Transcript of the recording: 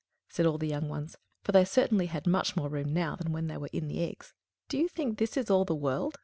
said all the young ones, for they certainly had much more room now than when they were in the eggs. "D'ye think this is all the world?"